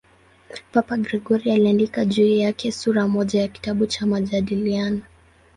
Papa Gregori I aliandika juu yake sura moja ya kitabu cha "Majadiliano".